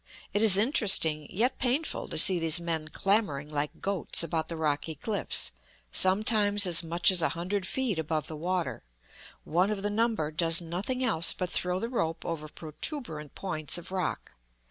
It is interesting, yet painful, to see these men clambering like goats about the rocky cliffs, sometimes as much as a hundred feet above the water; one of the number does nothing else but throw the rope over protuberant points of rock.